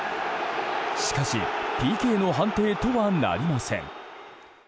しかしＰＫの判定とはなりません。